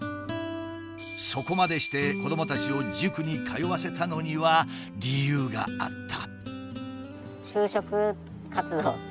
そこまでして子どもたちを塾に通わせたのには理由があった。